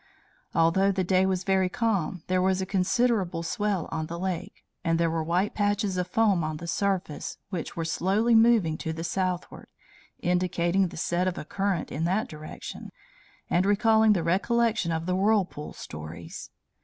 Although the day was very calm, there was a considerable swell on the lake; and there were white patches of foam on the surface, which were slowly moving to the southward, indicating the set of a current in that direction, and recalling the recollection of the whirlpool stories.